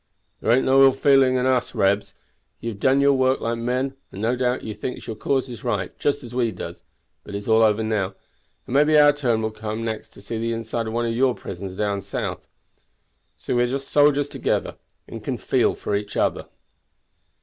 "There ain't no ill feeling in us, Rebs. You have done your work like men and no doubt you thinks your cause is right, just as we does; but it's all over now, and maybe our turn will come next to see the inside of one of your prisons down south. So we are just soldiers together, and can feel for each other."